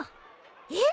えっ！？